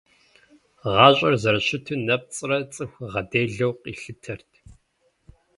Гъащӏэр зэрыщыту нэпцӏрэ цӏыху гъэделэу къилъытэрт.